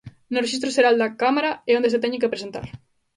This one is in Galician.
No rexistro xeral da Cámara é onde se teñen que presentar.